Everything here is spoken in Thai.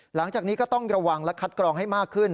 หลังจากนี้ก็ต้องระวังและคัดกรองให้มากขึ้น